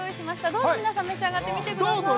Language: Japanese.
どうぞ皆さん、召し上がってみてください。